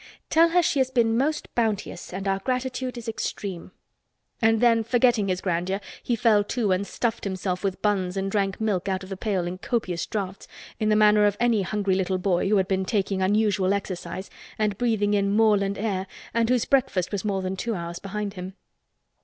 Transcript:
"Tell her she has been most bounteous and our gratitude is extreme." And then forgetting his grandeur he fell to and stuffed himself with buns and drank milk out of the pail in copious draughts in the manner of any hungry little boy who had been taking unusual exercise and breathing in moorland air and whose breakfast was more than two hours behind him.